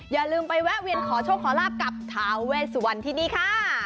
อย่าลืมไปแวะเวียนขอโชคขอลาบกับทาเวสวันที่นี่ค่ะ